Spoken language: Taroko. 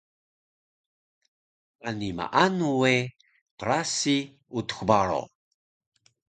Ani maanu we qrasi Utux Baro